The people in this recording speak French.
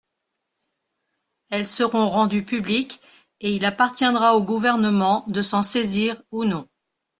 Elles seront rendues publiques et il appartiendra au Gouvernement de s’en saisir ou non.